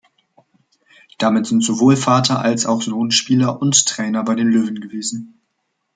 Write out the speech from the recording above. Damit sind sowohl Vater als auch Sohn Spieler und Trainer bei den Löwen gewesen.